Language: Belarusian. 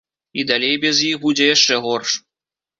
І далей без іх будзе яшчэ горш.